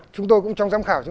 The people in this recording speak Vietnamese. cháu mới đến trường cháu